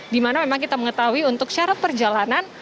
dimana memang kita mengetahui untuk syarat perjalanan